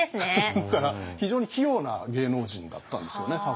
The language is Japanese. だから非常に器用な芸能人だったんですよね多分。